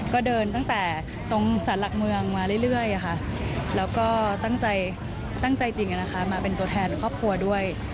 ก็เดินตั้งแต่ตรงสารหลักเมืองมาเรื่อยแล้วก็ตั้งใจตั้งใจจริงมาเป็นตัวแทนครอบครัวด้วย